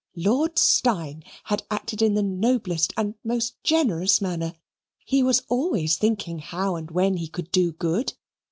Lord Steyne had acted in the noblest and most generous manner. He was always thinking how and when he could do good.